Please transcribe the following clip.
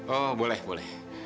oh boleh boleh